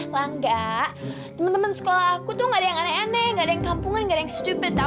langga temen temen sekolah aku tuh gak ada yang aneh aneh gak ada yang kampungan gak ada yang stupid tau gak